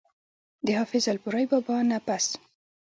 د حافظ الپورۍ بابا نه پس